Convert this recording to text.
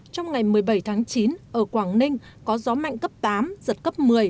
trong ngày một mươi bảy tháng chín ở quảng ninh có gió mạnh cấp tám giật cấp một mươi